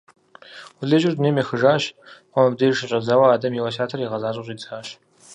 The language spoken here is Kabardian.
Къулеижьыр дунейм ехыжащ, къуэм абдеж щыщӀэдзауэ адэм и уэсятыр игъэзащӀэу щӀидзащ.